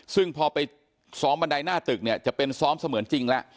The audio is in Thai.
ซึ่งพอไปซ้อมบันไดหน้าตึกเนี่ยจะเป็นซ้อมเสมือนจริงแล้ว